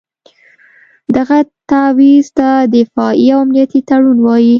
دغه تعویض ته دفاعي او امنیتي تړون وایي.